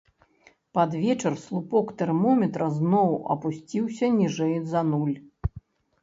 Пад вечар слупок тэрмометра зноў апусціўся ніжэй за нуль.